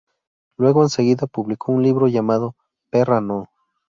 Luego enseguida publicó un libro llamado "¡Perra no!